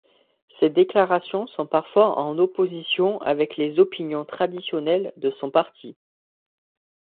Ses déclarations sont parfois en opposition avec les opinions traditionnelles de son parti.